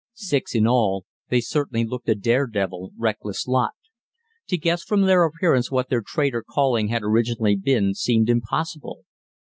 Six in all, they certainly looked a dare devil, reckless lot. To guess from their appearance what their trade or calling had originally been seemed impossible.